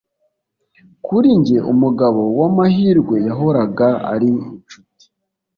kuri njye, umugabo wamahirwe yahoraga ari inshuti